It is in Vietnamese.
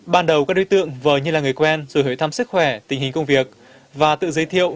ban đầu các đối tượng vờ như là người quen rồi hội thăm sức khỏe tình hình công việc và tự giới thiệu